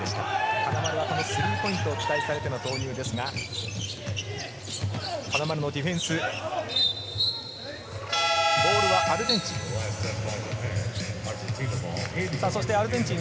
金丸はこのスリーポイントを期待されての投入ですが、金丸のディフェンス、ボールはアルゼンチン。